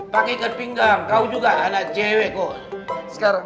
pakai ikat pinggang kau juga anak cewe kok